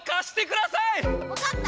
わかった！